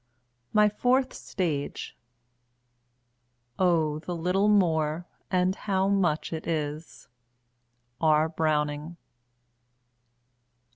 MY FOURTH STAGE Oh, the little more, and how much it is! R. BROWING.